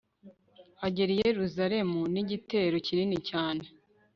agera i yeruzalemu n'igitero kinini cyane